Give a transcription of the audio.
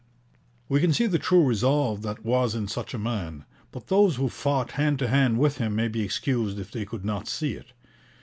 We can see the true resolve that was in such a man, but those who fought hand to hand with him may be excused if they could not see it.